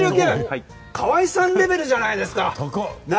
川合さんレベルじゃないですか。